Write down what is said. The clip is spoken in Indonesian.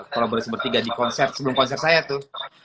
kolaborasi bertiga di konser sebelum konser saya tuh